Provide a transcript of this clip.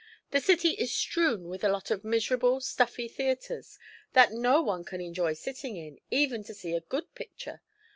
The city is strewn with a lot of miserable, stuffy theatres that no one can enjoy sitting in, even to see a good picture.